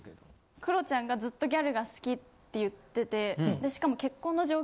クロちゃんがずっとギャルが好きって言っててしかも。